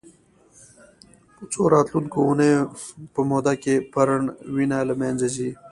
په څو راتلونکو اونیو په موده کې پرڼ وینه له منځه ځي.